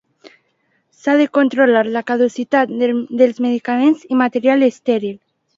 S'ha de controlar la caducitat dels medicaments i material estèril.